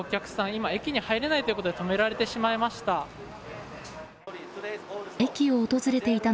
今、駅に入れないということで止められてしまいました。